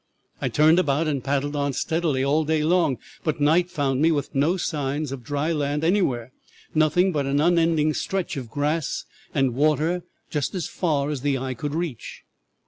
"'I turned about and paddled on steadily all day long, but night found me with no signs of dry land anywhere, nothing but an unending stretch of grass and water as far as the eye could reach.